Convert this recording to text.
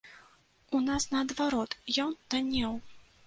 У нас наадварот ён таннеў!